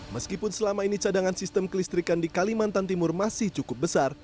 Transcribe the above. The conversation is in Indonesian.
meskipun selama ini cadangan sistem kelistrikan di kalimantan timur masih cukup besar